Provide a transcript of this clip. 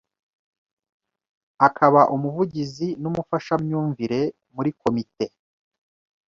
akaba umuvigizi n’umufashamyumvire muri Komite